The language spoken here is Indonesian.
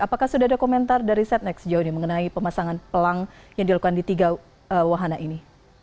apakah sudah ada komentar dari setnek sejauh ini mengenai pemasangan pelang yang dilakukan di tiga wahana ini